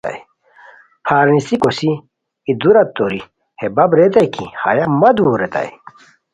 پھار نیسی کوسی ای دورا توری ہے بپ ریتائے کی ہیہ مہ دور ریتائے